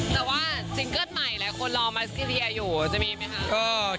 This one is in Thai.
แต่ว่าซิงเกิร์ตใหม่และคนรอมาสกิลเทียร์อยู่จะมีไหมคะ